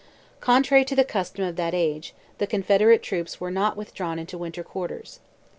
Contrary to the custom of that age, the Confederate troops were not withdrawn into winter quarters.